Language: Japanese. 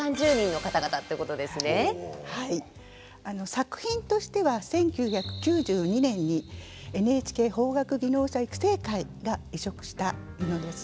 作品としては１９９２年にＮＨＫ邦楽技能者育成会が委嘱したものです。